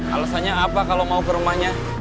alasannya apa kalau mau ke rumahnya